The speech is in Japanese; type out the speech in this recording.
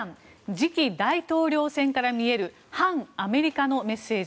次期大統領選から見える反アメリカのメッセージ。